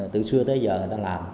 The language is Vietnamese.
từ xưa tới giờ người ta làm